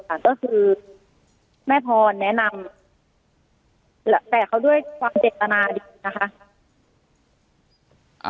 ก็คือแม่พรแนะนำแต่เขาด้วยความเจตนาดีนะคะ